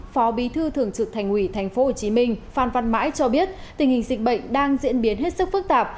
phó bí thư thường trực thành ủy tp hcm phan văn mãi cho biết tình hình dịch bệnh đang diễn biến hết sức phức tạp